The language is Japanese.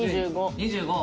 ２５。